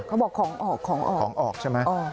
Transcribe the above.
เขาบอกของออกใช่ไหม